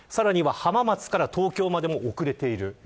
さらに、浜松から東京までも遅れている。